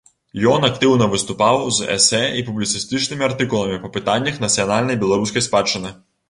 Ён актыўна выступаў з эсэ і публіцыстычнымі артыкуламі па пытаннях нацыянальнай беларускай спадчыны.